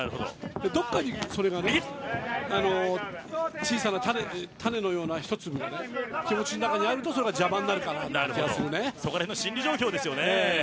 どこかにそれが小さな種のようなひと粒が気持ちの中にあるとそれは邪魔になるかなというそこら辺の心理状況ですよね。